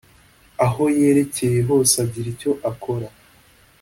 Aho yerekeye hose agira icyo akora